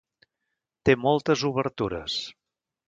Té moltes obertures.